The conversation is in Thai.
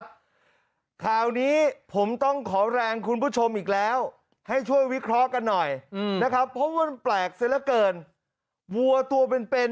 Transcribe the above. ข่าวนี้ผมต้องขอแรงคุณผู้ชมอีกแล้วให้ช่วยวิเคราะห์กันหน่อยนะครับเพราะว่ามันแปลกเสียเหลือเกินวัวตัวเป็นเป็น